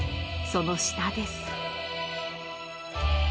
その下です。